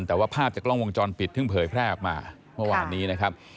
แต่ว่าภาพจากกล้องวงจรปิดเพิ่งเผยแพร่ออกมาเมื่อวานนี้นะครับ